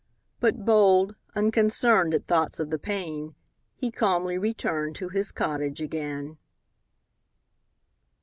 But bold, unconcern'd At thoughts of the pain, He calmly return'd To his cottage again.